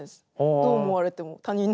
どう思われても。